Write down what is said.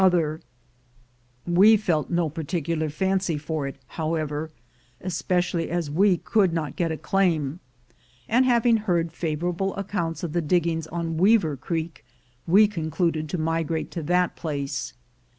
140 THE GOLD HUNTERS We felt no particular fancy for it, liovveverj espe cially as we could not get a claim; and having heard favorable accounts of the di^sings on Weaver Creek, we concluded to migrate to that place.